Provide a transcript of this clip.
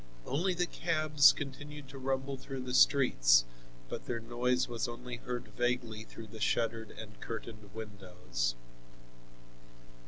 Only the cabs, continued to rumble through the streets, but their noise was only heard vaguely through the shuttered and curtained windows.